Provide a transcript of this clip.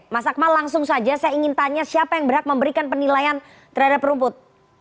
mas akmal langsung saja saya ingin tanya siapa yang berhak memberikan penilaian terhadap rumput